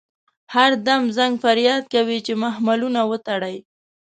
هر دم زنګ فریاد کوي چې محملونه وتړئ.